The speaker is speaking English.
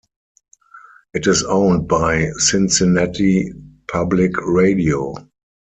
It is owned by Cincinnati Public Radio.